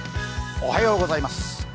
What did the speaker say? おはようございます。